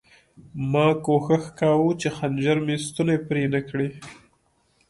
ما کوښښ کاوه چې خنجر مې ستونی پرې نه کړي